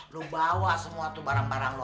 lo bawa semua tuh barang barang lo